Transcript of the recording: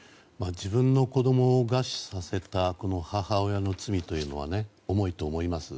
自分の子供を餓死させた母親の罪というのは重いと思います。